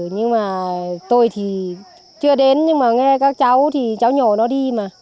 nhưng mà tôi thì chưa đến nhưng mà nghe các cháu thì cháu nhồ nó đi mà